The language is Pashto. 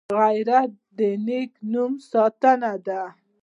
غیرت د نېک نامۍ ساتنه ده